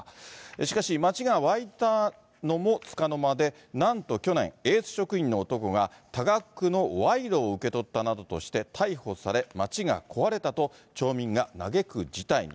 しかし、町が沸いたのもつかの間で、なんと去年、エース職員の男が、多額のわいろを受け取ったなどとして逮捕され、町が壊れたと、町民が嘆く事態に。